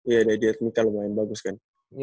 ya dari admika lumayan bagus kan